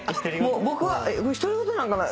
僕は独り言なんかな？